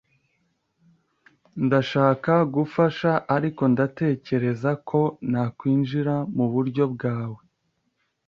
Ndashaka gufasha, ariko ndatekereza ko nakwinjira muburyo bwawe.